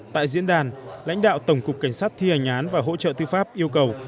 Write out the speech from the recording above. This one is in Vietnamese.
tại diễn đàn lãnh đạo tổng cục cảnh sát thi hành án và hỗ trợ tư pháp yêu cầu